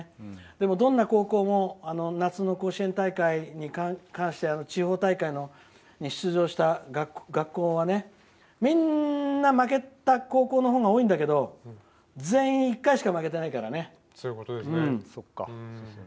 でも、どんな高校も夏の甲子園大会に関して地方大会に出場した学校はみんな負けた高校の方が多いんだけど、全員１回しか負けてないからね。